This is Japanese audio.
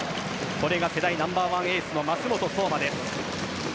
これが世代ナンバーワンエースの舛本颯真です。